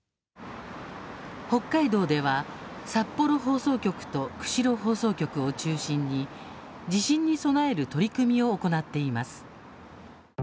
北海道では、札幌放送局と釧路放送局を中心に地震に備える取り組みを行っています。